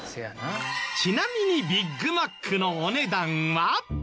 ちなみにビッグマックのお値段は？